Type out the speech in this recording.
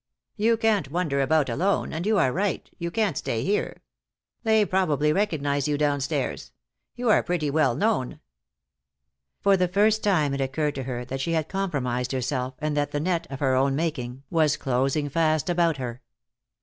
"You can't wander about alone, and you are right you can't stay here. They probably recognized you downstairs. You are pretty well known." For the first time it occurred to her that she had compromised herself, and that the net, of her own making, was closing fast about her.